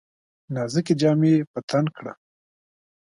نازکي جامې په تن کړه !